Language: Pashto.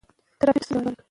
ترافیکي اصول مراعات کړئ.